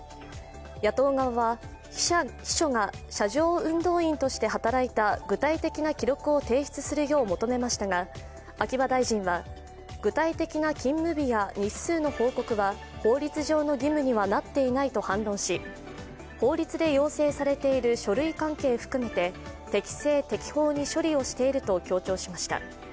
野党側は秘書が車上運動員として働いた、具体的な記録を提出するよう求めましたが、秋葉大臣は具体的な勤務日や日数の報告は法律上の義務にはなっていないと反論し、法律で要請されている書類関係含めて、適正・適法に処理をしていると強調しました。